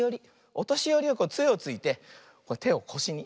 おとしよりはつえをついててをこしに。